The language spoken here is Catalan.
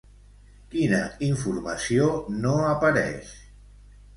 Quina informació no apareix?